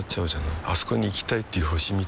あそこに行きたいっていう星みたいなもんでさ